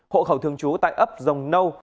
hộ khẩu thường chú tại ấp rồng nâu